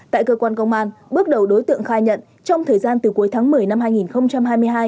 tại cơ quan công an bước đầu đối tượng khai nhận trong thời gian từ cuối tháng một mươi năm hai nghìn hai mươi hai